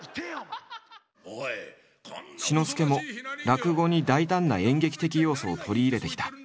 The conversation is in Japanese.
志の輔も落語に大胆な演劇的要素を取り入れてきた。